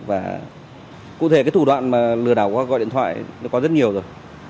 và cụ thể cái thủ đoạn mà lừa đảo qua gọi điện thoại nó có rất nhiều rồi